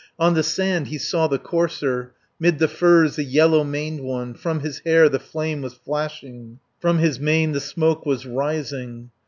On the sand he saw the courser, 'Mid the firs the yellow maned one. 300 From his hair the flame was flashing, From his mane the smoke was rising.